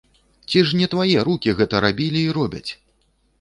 Ці ж не твае рукі гэта рабілі і робяць?